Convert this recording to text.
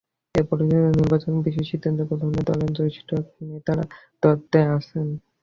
এ পরিস্থিতিতে নির্বাচনের বিষয়ে সিদ্ধান্ত গ্রহণে দলের জ্যেষ্ঠ নেতারা দ্বন্দ্বে আছেন।